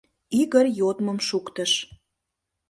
Игорь йодмым шуктыш.